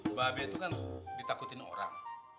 mbak abe itu kan ditakutin orang